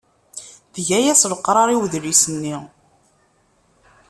Tga-as leqrar i udlis-nni.